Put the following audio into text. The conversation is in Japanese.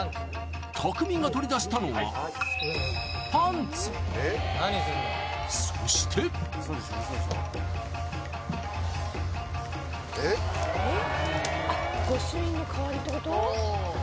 たくみが取り出したのはパンツそして御朱印の代わりってこと？